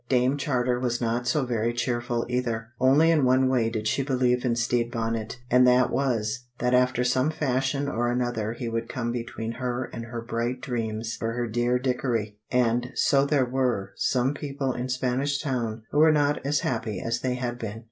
Dame Charter was not so very cheerful either. Only in one way did she believe in Stede Bonnet, and that was, that after some fashion or another he would come between her and her bright dreams for her dear Dickory. And so there were some people in Spanish Town who were not as happy as they had been.